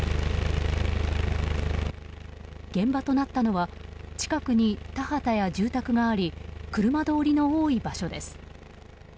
現場となったのは近くに田畑や住宅があり車通りの多い場所です。